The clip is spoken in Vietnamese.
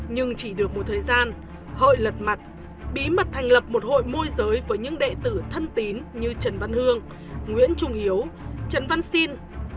nhưng chỉ được một thời gian hội lật mặt bí mật thành lập một hội môi giới với những đệ tử thân tín như trần văn hương nguyễn trung hiếu trần văn xin